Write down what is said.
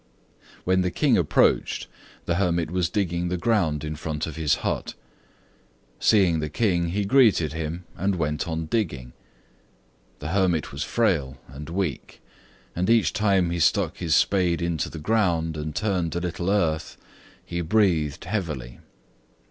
When the King approached, the hermit was digging the ground in front of his hut. Seeing the King, he greeted him and went on digging. The hermit was frail and weak, and each time he stuck his spade into the ground and turned a little earth, he breathed heavily.